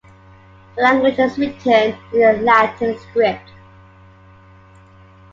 The language is written in the Latin script.